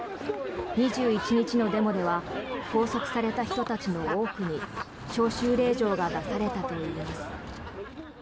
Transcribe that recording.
２１日のデモでは拘束された人たちの多くに招集令状が出されたといいます。